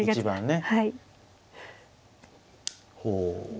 はい。